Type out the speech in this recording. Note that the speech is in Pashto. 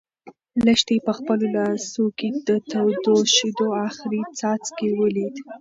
لښتې په خپلو لاسو کې د تودو شيدو اخري څاڅکی ولید.